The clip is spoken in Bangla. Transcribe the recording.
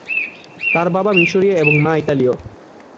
তার বাবা মিশরীয় এবং মা ইতালীয়।